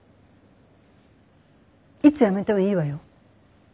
いつ辞めてもいいわよ。